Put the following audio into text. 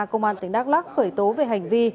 công an tỉnh đắk lắc khởi tố về hành vi